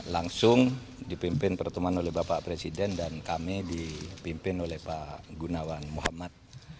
langsung dipimpin pertemuan oleh bapak presiden dan kami dipimpin oleh pak gunawan muhammad